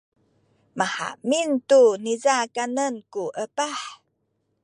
mahamin tu niza kanen ku epah.